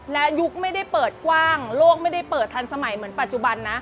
และยุคไม่ได้เปิดกว้างโลกไม่ได้เปิดทันสมัยเหมือนปัจจุบันนะ